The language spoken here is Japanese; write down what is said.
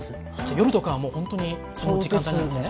夜とかはもう本当にその時間帯なんですね。